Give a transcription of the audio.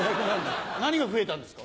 何が増えたんですか？